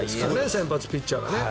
先発ピッチャーが。